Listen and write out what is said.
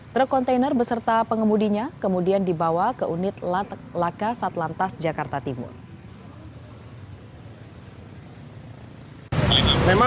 truk kontainer beserta pengemudinya kemudian dibawa ke unit latakannya